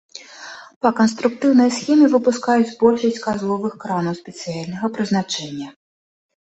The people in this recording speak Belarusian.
Па канструктыўнай схеме выпускаюць большасць казловых кранаў спецыяльнага прызначэння.